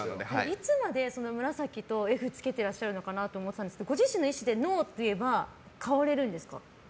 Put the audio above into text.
いつまで紫とＦつけてらっしゃるのかなと思ったんですけどご自身の意志でノーと言えば変われます。